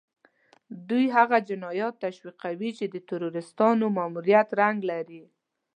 دوی هغه جنايات تشويقوي چې د تروريستانو ماموريت رنګ لري.